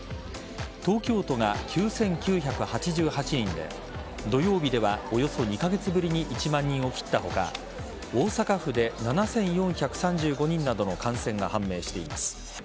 東京都が９９８８人で土曜日ではおよそ２カ月ぶりに１万人を切った他大阪府で７４３５人などの感染が判明しています。